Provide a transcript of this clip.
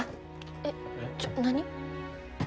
えっちょ何？